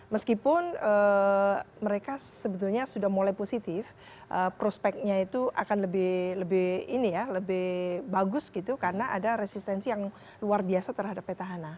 meskipun mereka sebetulnya sudah mulai positif prospeknya itu akan lebih bagus gitu karena ada resistensi yang luar biasa terhadap peta anas